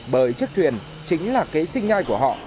bởi chiếc thuyền chính là kế sinh nhai của họ